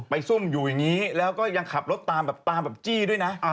ซุ่มอยู่อย่างนี้แล้วก็ยังขับรถตามแบบตามแบบจี้ด้วยนะ